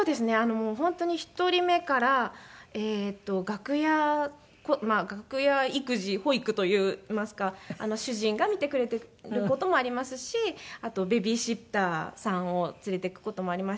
もう本当に１人目から楽屋まあ楽屋育児保育といいますか主人が見てくれている事もありますしあとベビーシッターさんを連れて行く事もありましたし。